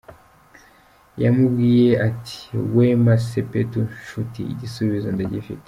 Yamubwiye ati “Wema Sepetu nshuti, igisubizo ndagifite.